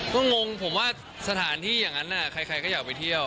ก็งงผมว่าสถานที่อย่างนั้นใครก็อยากไปเที่ยว